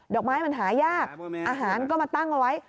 อกไม้มันหายากอาหารก็มาตั้งเอาไว้